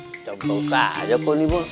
wah contoh kaya kok ini pun